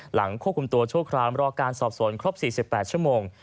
หลังควบคุมตัวชั่วคราวรอการสอบสวนครบ๔๘ชั่วโมง